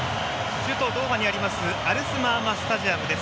首都ドーハにありますアルスマーマスタジアムです。